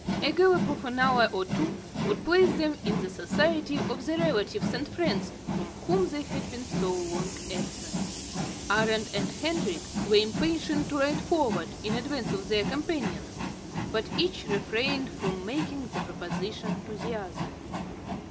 A gallop of an hour or two, would place them in the society of the relatives and friends from whom they had been so long absent. Arend and Hendrik were impatient to ride forward, in advance of their companions. But each refrained from making the proposition to the other.